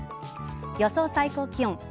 予想最高気温。